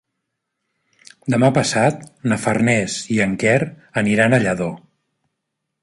Demà passat na Farners i en Quer aniran a Lladó.